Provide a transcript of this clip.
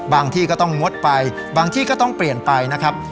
ที่ก็ต้องงดไปบางที่ก็ต้องเปลี่ยนไปนะครับ